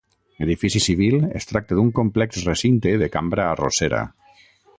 Edifici civil, es tracta d'un complex recinte de cambra arrossera.